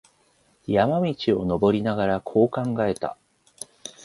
山路を登りながら、こう考えた。